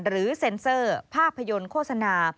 เซ็นเซอร์ภาพยนตร์โฆษณา